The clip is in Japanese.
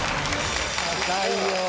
高いよ！